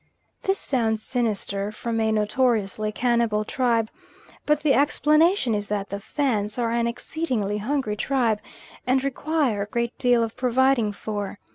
This sounds sinister from a notoriously cannibal tribe; but the explanation is that the Fans are an exceedingly hungry tribe, and require a great deal of providing for.